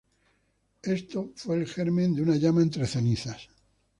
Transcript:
Esto fue el germen de "Una llama entre cenizas".